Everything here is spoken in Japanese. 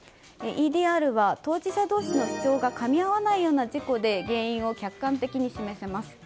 ＥＤＲは当事者同士の主張がかみ合わないような事故で原因を客観的に示せます。